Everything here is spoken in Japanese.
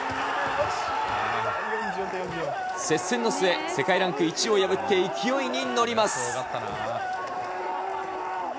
接戦の末、世界ランク１位を破って勢いに乗ります。